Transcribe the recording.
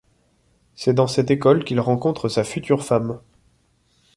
C'est dans cette école qu'il rencontre sa future femme.